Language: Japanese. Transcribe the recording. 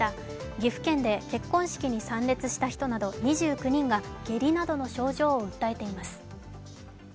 岐阜県で結婚式に参列した人など２９人が下痢などの症状を訴えています。